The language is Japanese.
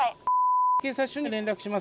×××警察署に連絡します。